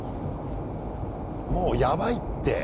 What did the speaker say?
もうやばいって。